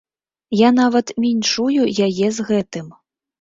Я нават віншую яе з гэтым.